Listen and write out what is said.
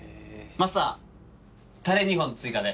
マスタータレ２本追加で。